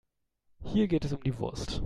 Hier geht es um die Wurst.